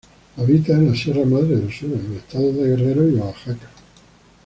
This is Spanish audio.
Habita en la Sierra Madre del Sur en los estados de Guerrero y Oaxaca.